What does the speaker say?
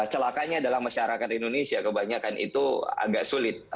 celakanya dalam masyarakat indonesia kebanyakan itu agak sulit